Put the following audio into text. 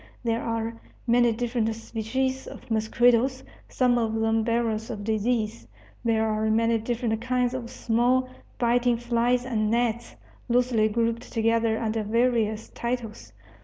There are many different species of mosquitoes, some of them bearers of disease. There are many different kinds of small, biting flies and gnats, loosely grouped together under various titles.